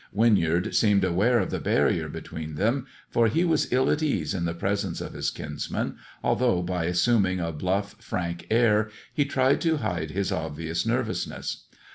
Winyard seemed aware of the barrier between them, for he was ill at ease in the presence of his kinsman, although, by assuming a bluff, frank air, he tried to hide his obvious nervousness.